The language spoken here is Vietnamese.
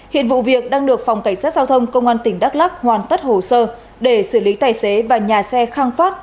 hiện vụ việc đang được phòng cảnh sát giao thông công an tỉnh đắk lắc hoàn tất hồ sơ để xử lý tài xế và nhà xe khang phát